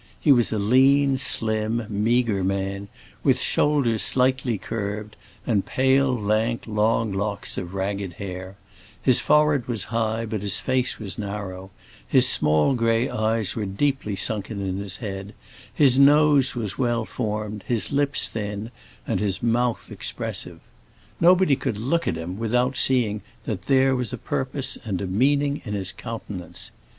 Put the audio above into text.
He was a lean, slim, meagre man, with shoulders slightly curved, and pale, lank, long locks of ragged hair; his forehead was high, but his face was narrow; his small grey eyes were deeply sunken in his head, his nose was well formed, his lips thin, and his mouth expressive. Nobody could look at him without seeing that there was a purpose and a meaning in his countenance.